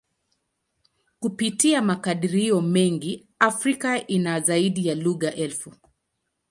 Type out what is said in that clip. Kupitia makadirio mengi, Afrika ina zaidi ya lugha elfu.